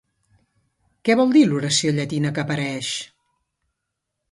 Què vol dir l'oració llatina que apareix?